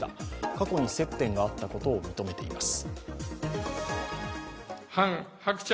過去に接点があったことを認めています。